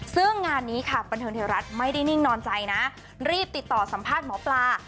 ซึ่งงานนี้ค่ะบันเทิงไทยรัฐไม่ได้นิ่งนอนใจนะรีบติดต่อสัมภาษณ์หมอปลา